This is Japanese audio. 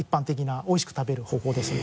おいしく食べる方法ですね。